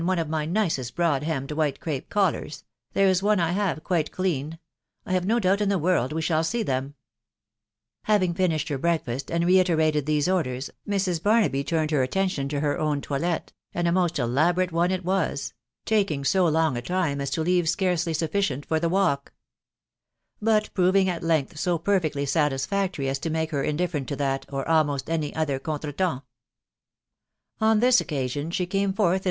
one of my nicest* bwad hemmed while crape cottars «„~~ there: is* one I have quite clean .... I hew no doubt in the weald weahall •see them.* HarniigfmWierfhfer bweirfast, end sennretecL those orders, Jir& Barneby turned her attention to her own toilet, and a most elaborate em? H wae> taking' so long a time as to leave scarcely sufficient for the walk; ban proving at length so per fectly satisfactory as to moke her indifferent to that, or almost any other contre* temps* On thie occasion she came forth in.